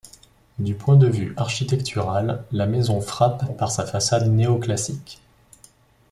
Du point de vue architectural, la maison frappe par sa façade néoclassique.